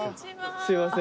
すいません。